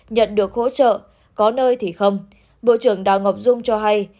nhận được hỗ trợ có nơi thì không bộ trưởng đào ngọc dung cho hay